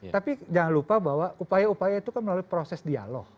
tapi jangan lupa bahwa upaya upaya itu kan melalui proses dialog